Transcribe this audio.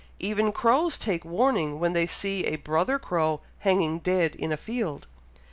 Even crows take warning when they see a brother crow hanging dead in a field."